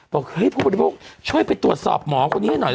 บอกเฮ้ยผู้บริโภคช่วยไปตรวจสอบหมอคนนี้ให้หน่อย